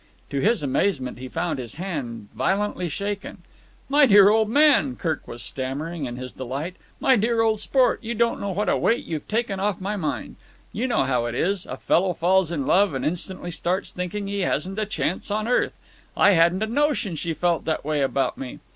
To his amazement he found his hand violently shaken. "My dear old man!" Kirk was stammering in his delight. "My dear old sport, you don't know what a weight you've taken off my mind. You know how it is. A fellow falls in love and instantly starts thinking he hasn't a chance on earth. I hadn't a notion she felt that way about me.